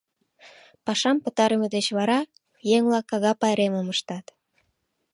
Пашам пытарыме деч вара еҥ-влак ага пайремым ыштат.